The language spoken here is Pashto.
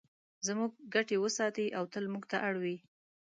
زموږ ګټې وساتي او تل موږ ته اړ وي.